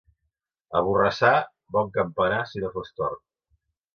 A Borrassà, bon campanar si no fos tort.